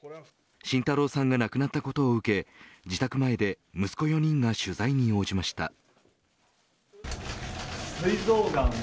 慎太郎さんが亡くなったことを受け自宅前で息子４人が取材に応じました。